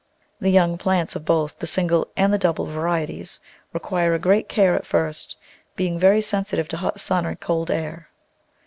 The young plants of both the single and double varieties require great care at first, being very sensi tive to hot sun or cold air.